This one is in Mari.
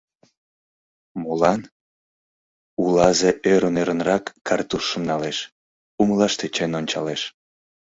— Молан? — улазе ӧрын-ӧрынрак картузшым налеш, умылаш тӧчен ончалеш.